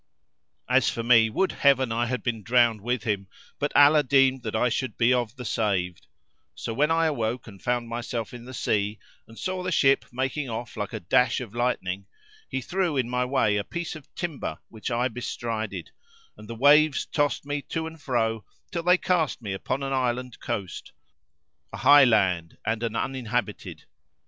[FN#323] As for me would Heaven I had been drowned with him, but Allah deemed that I should be of the saved; so when I awoke and found myself in the sea and saw the ship making off like a dash of lightning, He threw in my way a piece of timber which I bestrided, and the waves tossed me to and fro till they cast me upon an island coast, a high land and an uninhabited.